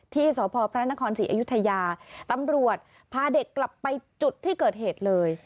ที่สพพระนครศรีอยุธยาตำรวจพาเด็กกลับไปจุดที่เกิดเหตุเลย